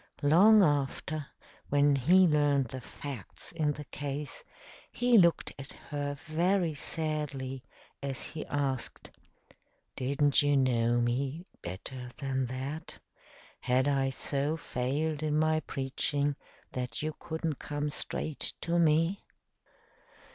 Long after, when he learned the facts in the case, he looked at her very sadly as he asked: "Didn't you know me better than that? Had I so failed in my preaching that you couldn't come straight to me?"